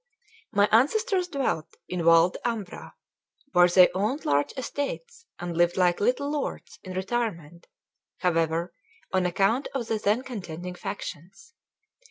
III MY ancestors dwelt in Val d' Ambra, where they owned large estates, and lived like little lords, in retirement, however, on account of the then contending factions.